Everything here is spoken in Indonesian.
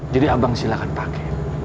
jadi abang silahkan pakai